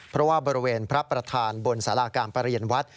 เพราะว่าบริเวณพระประธานบนสาราการประเรียนวัด